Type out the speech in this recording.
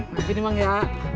nanti nih bang ya